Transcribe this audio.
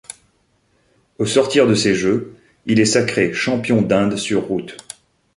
Au sortir de ces Jeux, il est sacré champion d'Inde sur route.